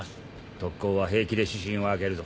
特高は平気で私信を開けるぞ。